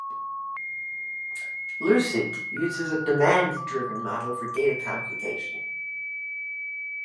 Lucid uses a demand-driven model for data computation.